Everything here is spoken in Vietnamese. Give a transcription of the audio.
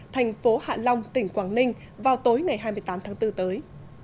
thành phố hạ long tỉnh quảng ninh vào tối ngày hai mươi tám tháng bốn tới